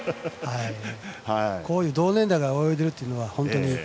こういう同年代が泳いでいるのは本当に。